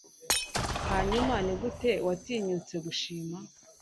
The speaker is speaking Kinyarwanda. Hanyuma nigute watinyutse gushima